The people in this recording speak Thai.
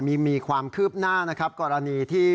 มีความคืบหน้านะครับกรณีที่